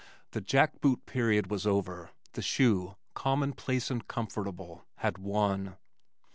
The Jack boot period was over, the shoe, commonplace and comfortable, had won.